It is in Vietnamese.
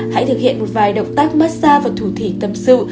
hãy thực hiện một vài động tác massage và thủ thị tâm sự